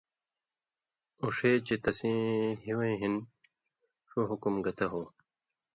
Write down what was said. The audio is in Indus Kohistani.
اُو ݜے چے تسی ہویں ہِن سُو حُکُم گتہ ہو،